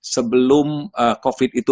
sebelum covid itu